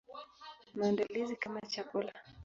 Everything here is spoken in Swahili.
Maandalizi kama chakula.